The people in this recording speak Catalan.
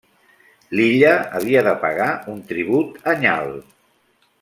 L'illa havia de pagar un tribut anyal.